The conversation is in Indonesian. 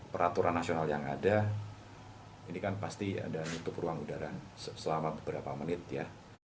peraturan nasional yang ada ini kan pasti ada nutup ruang udara selama beberapa menit ya